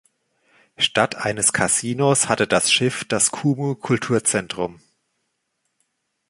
Statt eines Kasinos hatte das Schiff das Kumu-Kulturzentrum.